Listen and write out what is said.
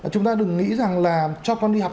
chúng ta đừng nghĩ rằng là cho con đi học